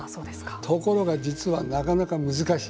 ところが、実はなかなか難しい。